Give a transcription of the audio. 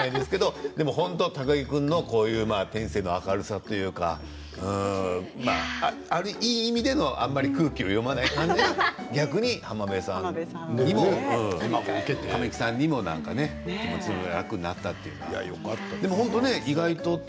こういう高木君の天性の明るさというかいい意味でのあんまり空気を読まない感じが逆に浜辺さんにも。。神木さんもつらくなくなったということでね。